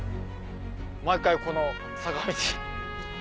毎回この坂道。